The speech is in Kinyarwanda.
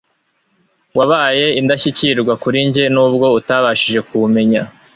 wabaye indashyikirwa kurinjye nubwo utabashije kumenya